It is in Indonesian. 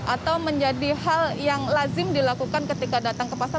atau menjadi hal yang lazim dilakukan ketika datang ke pasar